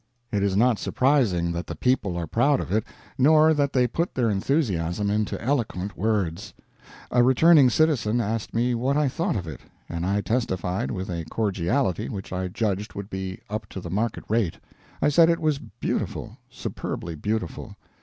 It is not surprising that the people are proud of it, nor that they put their enthusiasm into eloquent words. A returning citizen asked me what I thought of it, and I testified with a cordiality which I judged would be up to the market rate. I said it was beautiful superbly beautiful.